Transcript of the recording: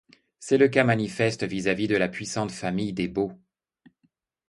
C’est le cas manifeste vis-à-vis de la puissante famille des Baux.